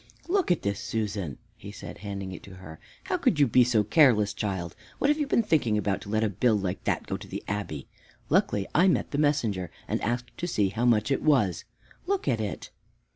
"Look at this, Susan!" he said, handing it to her. "How could you be so careless, child? What have you been thinking about to let a bill like that go to the Abbey? Luckily, I met the messenger and asked to see how much it was. Look at it."